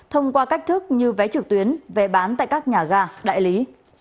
thông qua cách thức như vé trực tuyến vé bán tại các nhà ga đại lý